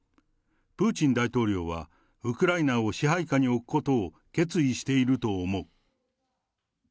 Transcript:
プーチン大統領はウクライナを支配下に置くことを決意していると思う。